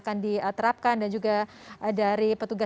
masa itu ini berahkanah odega ke coming control yeah